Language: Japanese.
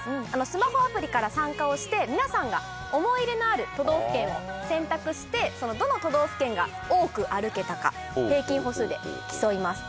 スマホアプリから参加をして皆さんが思い入れのある都道府県を選択してどの都道府県が多く歩けたか平均歩数で競います。